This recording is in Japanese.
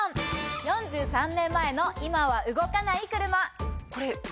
４３年前の今は動かない車。